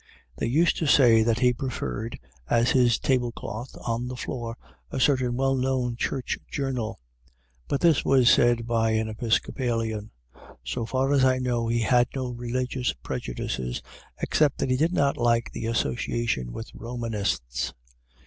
They used to say that he preferred as his table cloth on the floor a certain well known church journal; but this was said by an Episcopalian. So far as I know, he had no religious prejudices, except that he did not like the association with Romanists.